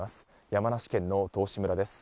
山梨県の道志村です。